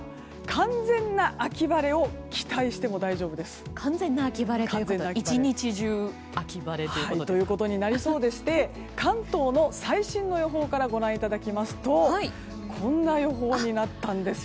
完全な秋晴れということは一日中秋晴れということですか。ということになりそうでして関東の最新の予報からご覧いただきますとこんな予報になったんです。